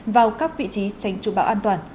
vào các vị trí tránh chủ báo an toàn